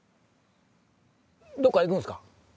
どっか行くんすか？